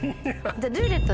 じゃ「ルーレット」